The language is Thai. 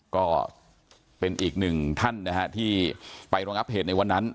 ก็เป็นอีกหนึ่งท่านนะฮะที่ไปรองับเหตุในวันนั้น